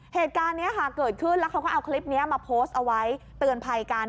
เหตุการณ์นี้ค่ะเกิดขึ้นแล้วเขาก็เอาคลิปนี้มาโพสต์เอาไว้เตือนภัยกัน